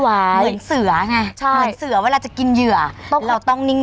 เหมือนเสือไงใช่เหมือนเสือเวลาจะกินเหยื่อเราต้องนิ่ง